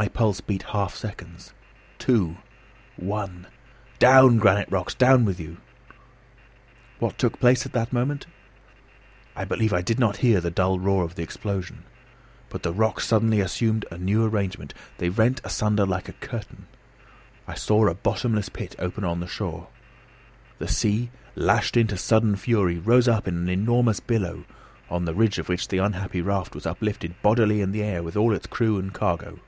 My pulse beat half seconds. "Two! One! Down, granite rocks; down with you." What took place at that moment? I believe I did not hear the dull roar of the explosion. But the rocks suddenly assumed a new arrangement: they rent asunder like a curtain. I saw a bottomless pit open on the shore. The sea, lashed into sudden fury, rose up in an enormous billow, on the ridge of which the unhappy raft was uplifted bodily in the air with all its crew and cargo.